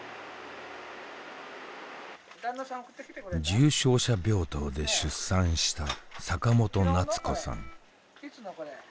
重症者病棟で出産した坂本なつ子さん。